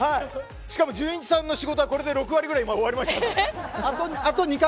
しかもじゅんいちさんの仕事はこれで６割ぐらい終わりました。